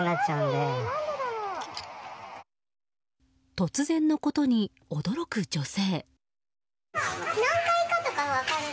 突然のことに驚く女性。